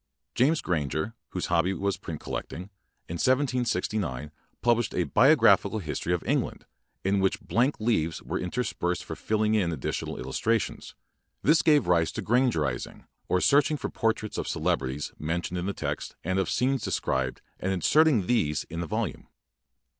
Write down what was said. James Gransrer, whose hobby was print collecting, in 1769 published a "Biographical History of England" in which blank leaves were inter spersed for filling in additional illus trations. This gave rise to "granger izing", or searching for portraits of celebrities mentioned in Uie text and of scenes described and inserting these in the volume.